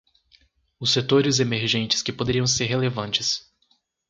Os setores emergentes que poderiam ser relevantes.